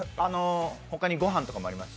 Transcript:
ほかにご飯とかもあります。